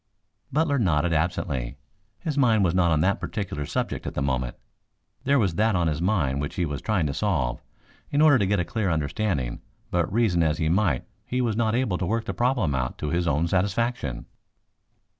Butler nodded absently. His mind was not on that particular subject at the moment. There was that on his mind which he was trying to solve, in order to get a clear understanding, but reason as he might he was not able to work the problem out to his own satisfaction.